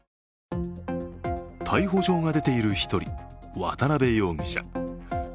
逮捕状が出ている１人、渡辺容疑者。